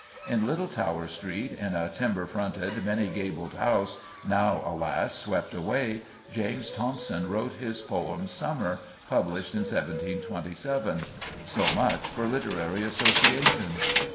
In Little Tower Street, in a timber fronted, many gabled house, now, alas, swept away, James Thomson wrote his poem Summer, published in 1727. So much for literary associations.